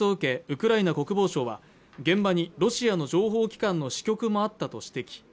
ウクライナ国防省は現場にロシアの情報機関の支局もあったと指摘